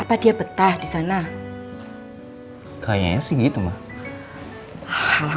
oh telat sembilan menit saya tinggal